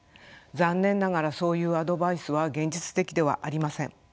残念ながらそういうアドバイスは現実的ではありません。